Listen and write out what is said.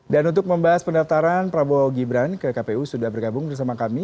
dan untuk membahas pendaftaran prabowo gibran ke kpu sudah bergabung bersama kami